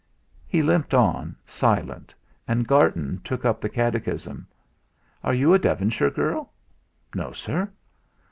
He limped on, silent, and Garton took up the catechism. "Are you a Devonshire girl?" "No, Sir."